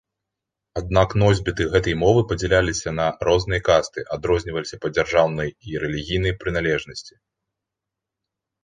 Аднак носьбіты гэтай мовы падзяляліся на розныя касты, адрозніваліся па дзяржаўнай і рэлігійнай прыналежнасці.